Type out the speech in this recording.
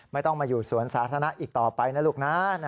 ไม่ต้องมาอยู่สวนสาธารณะอีกต่อไปนะลูกนะ